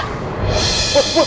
eko itu tadi mau putus